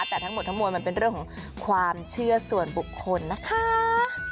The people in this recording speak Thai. แต่ทั้งหมดทั้งมวลมันเป็นเรื่องของความเชื่อส่วนบุคคลนะคะ